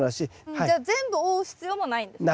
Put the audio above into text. じゃあ全部覆う必要もないんですね。